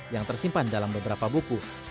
yang tersimpan dalam beberapa buku